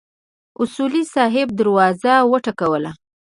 اصولي صیب دروازه وټکوله.